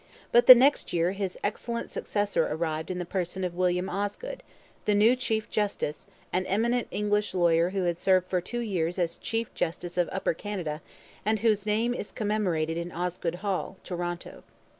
But the next year his excellent successor arrived in the person of William Osgoode, the new chief justice, an eminent English lawyer who had served for two years as chief justice of Upper Canada and whose name is commemorated in Osgoode Hall, Toronto.